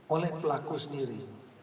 oleh pelaku sendiri